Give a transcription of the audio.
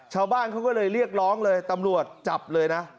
ชาวบ้านเขาก็เลยเรียกร้องเลยตำรวจจับเลยนะ